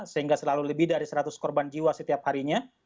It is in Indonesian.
sehingga selalu lebih dari seratus korban jiwa setiap harinya